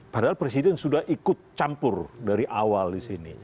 padahal presiden sudah ikut campur dari awal di sini